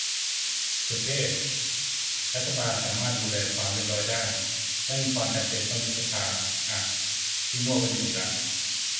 สุเทพ :"รัฐบาลสามารถดูแลความเรียบร้อยได้ ไม่มีความจำเป็นต้องยุบสภา" อ่ะ พี่มั่วประเด็นอีกละ